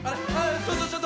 ちょっとちょっと！